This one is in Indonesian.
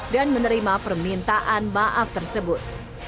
dan menerima permintaan maaf tersebut